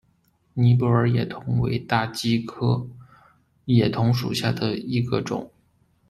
尼泊尔野桐为大戟科野桐属下的一个种。